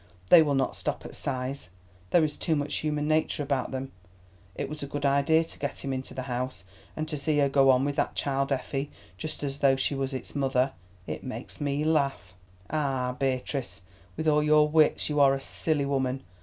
They will not stop at sighs, there is too much human nature about them. It was a good idea to get him into the house. And to see her go on with that child Effie, just as though she was its mother—it makes me laugh. Ah, Beatrice, with all your wits you are a silly woman!